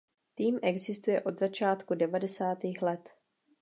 Tým existuje od začátku devadesátých let.